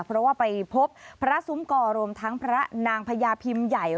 เพราะว่าไปพบพระซุ้มกอรวมทั้งพระนางพญาพิมพ์ใหญ่